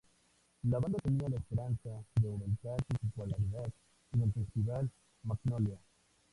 La banda tenía la esperanza de aumentar su popularidad en el Festival Magnolia.